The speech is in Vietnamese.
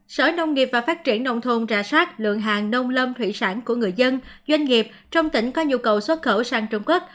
sở nông nghiệp và phát triển nông thôn rà sát lượng hàng nông lâm thủy sản của người dân doanh nghiệp trong tỉnh có nhu cầu xuất khẩu sang trung quốc